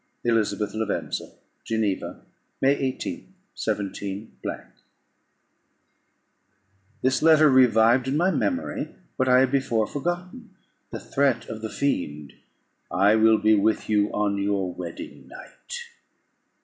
"ELIZABETH LAVENZA. "Geneva, May 18th, 17 ."This letter revived in my memory what I had before forgotten, the threat of the fiend "_I will be with you on your wedding night!